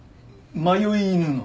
迷い犬の。